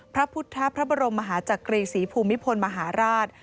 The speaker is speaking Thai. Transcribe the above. พระพุทธพระบรมมหาจักรีศรีภูมิพลมหาราช